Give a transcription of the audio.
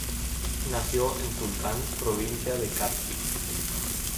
Nació en Tulcán, provincia de Carchi.